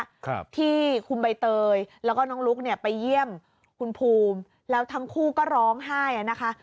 ครับที่คุณใบเตยแล้วก็น้องลุ๊กเนี่ยไปเยี่ยมคุณภูมิแล้วทั้งคู่ก็ร้องไห้อ่ะนะคะ